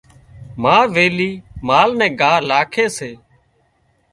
ما ويلِي مال نين ڳاهَ لاکي سي۔